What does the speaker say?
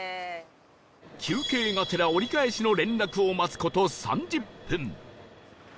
休憩がてら折り返しの連絡を待つ事３０分